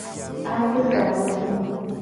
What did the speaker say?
Afrikanyonu!